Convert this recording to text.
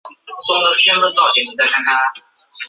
海悦国际是来自新加坡的酒店集团。